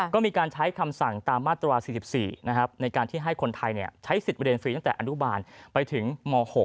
ก็มีการใช้คำสั่งตามมาตรา๔๔ในการที่ให้คนไทยใช้สิทธิ์เรียนฟรีตั้งแต่อนุบาลไปถึงม๖